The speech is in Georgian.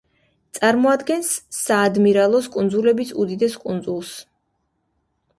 წარმოადგენს საადმირალოს კუნძულების უდიდეს კუნძულს.